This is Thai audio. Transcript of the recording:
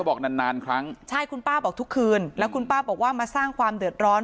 บอกนานนานครั้งใช่คุณป้าบอกทุกคืนแล้วคุณป้าบอกว่ามาสร้างความเดือดร้อน